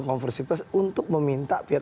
konversi pers untuk meminta pihak